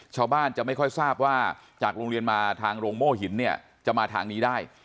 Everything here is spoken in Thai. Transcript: ชาวบ้านจะไม่ค่อยทราบว่าจากโรงเรียนมาทางโรงโม่หินเนี่ยจะมาทางนี้ได้